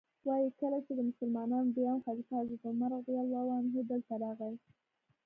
وایي کله چې د مسلمانانو دویم خلیفه حضرت عمر رضی الله عنه دلته راغی.